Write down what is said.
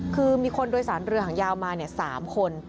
คือมีคนโดยสารเรือหางยาวมา๓คน